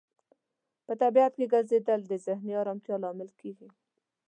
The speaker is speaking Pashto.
په طبیعت کې ګرځیدل د ذهني آرامتیا لامل کیږي.